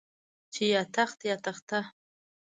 چې يا تخت يا تخته.